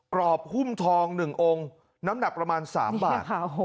กรอบหุ้มทอง๑องค์น้ำหนักประมาณ๓บาทเนี่ยค่ะโห